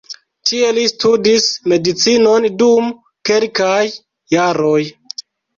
Tie li studis medicinon dum kelkaj jaroj.